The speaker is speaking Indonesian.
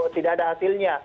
tidak ada hasilnya